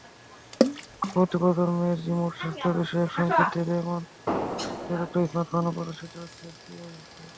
পরবর্তী প্রজন্মের রিমোট স্বাস্থ্য-বিষয়ক সংকেত দেবে এমন সুবিধাযুক্ত স্মার্টফোনও প্রদর্শিত হচ্ছে সিইএসে।